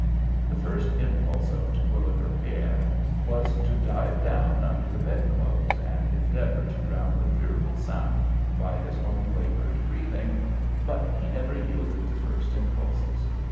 The first impulse of Terwilliger pere was to dive down under the bedclothes, and endeavor to drown the fearful sound by his own labored breathing, but he never yielded to first impulses.